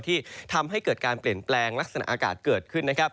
ที่ทำให้เกิดการเปลี่ยนแปลงลักษณะอากาศเกิดขึ้นนะครับ